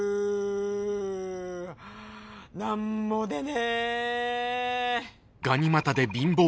何も出ね。